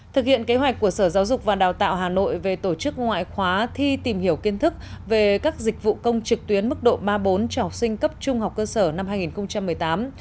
thực hiện kế hoạch của sở giáo dục và đào tạo hà nội về tổ chức ngoại khóa thi tìm hiểu kiến thức về các dịch vụ công trực tuyến mức độ ba bốn cho học sinh cấp trung học cơ sở năm hai nghìn một mươi tám